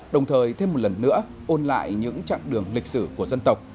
đồng thời thêm một lần nữa ôn lại những chặng đường lịch sử của dân tộc